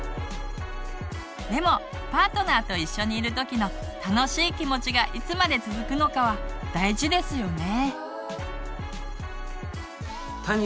でもパートナーと一緒にいる時の楽しい気持ちがいつまで続くのかは大事ですよね。